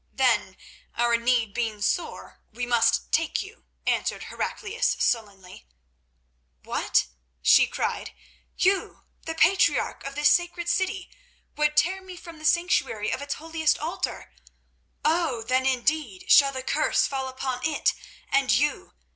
"Then, our need being sore, we must take you," answered Heraclius sullenly. "What!" she cried. "You, the patriarch of this sacred city, would tear me from the sanctuary of its holiest altar? Oh! then, indeed shall the curse fall upon it and you.